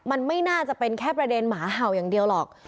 มันไม่น่าจะเป็นแค่ประเด็นหมาเห่าอย่างเดียวหรอก